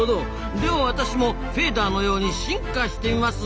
では私もフェーダーのように進化してみますぞ。